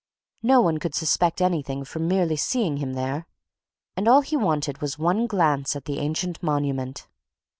No one could suspect anything from merely seeing him there, and all he wanted was one glance at the ancient monument.